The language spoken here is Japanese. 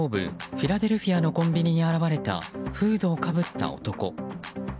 フィラデルフィアのコンビニに現れたフードをかぶった男。